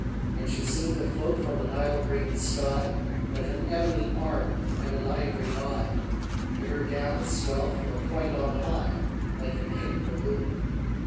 And she seemed to float from a Nile green sky, With an ebony arm and an ivory eye, And her gown swelled from a point on high, Like a pink balloon.